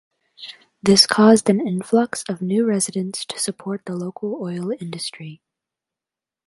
This caused an influx of new residents to support the local oil industry.